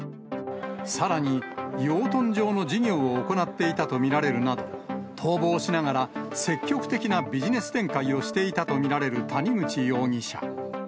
さらに養豚場の事業を行っていたと見られるなど、逃亡しながら、積極的なビジネス展開をしていたと見られる谷口容疑者。